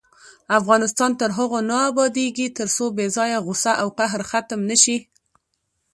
افغانستان تر هغو نه ابادیږي، ترڅو بې ځایه غوسه او قهر ختم نشي.